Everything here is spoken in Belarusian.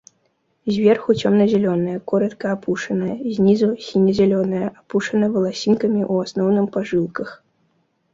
Зверху цёмна-зялёнае, коратка апушанае, знізу сіне-зялёнае, апушана валасінкамі ў асноўным па жылках.